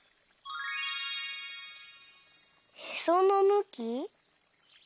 「へそのむき」？